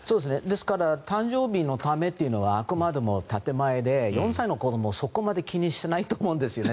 ですから誕生日のためというのはあくまでも建前で４歳の子どもをそこまで気にしてないと思うんですよね